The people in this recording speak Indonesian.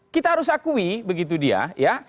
kita harus akui begitu dia ya